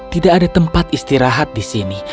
tidak ada tempat istirahat di sini